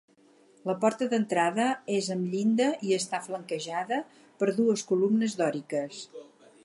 La porta d'entrada és amb llinda i està flanquejada per dues columnes dòriques.